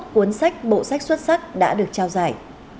bốn mươi một cuốn sách bộ sách xuất sắc đã được trao giải